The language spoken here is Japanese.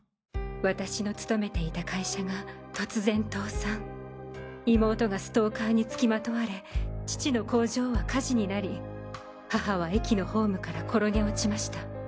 私の勤めていた会社が突然倒産妹がストーカーに付きまとわれ父の工場は火事になり母は駅のホームから転げ落ちました。